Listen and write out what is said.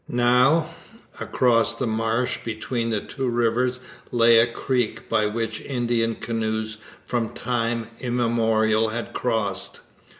Now, across the marsh between the two rivers lay a creek by which Indian canoes from time immemorial had crossed.